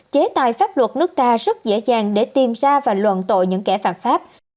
chế tài pháp luật nước ta rất dễ dàng để tìm ra và luận tội những kẻ phạm pháp